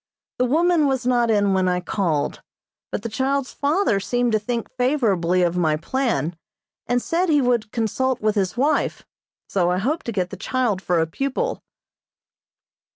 The woman was not in when I called, but the child's father seemed to think favorably of my plan, and said he would consult with his wife, so I hope to get the child for a pupil.